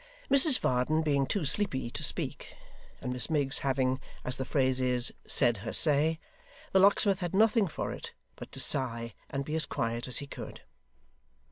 Mrs Varden being too sleepy to speak, and Miss Miggs having, as the phrase is, said her say, the locksmith had nothing for it but to sigh and be as quiet as he could.